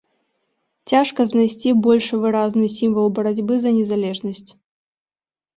Цяжка знайсці больш выразны сімвал барацьбы за незалежнасць.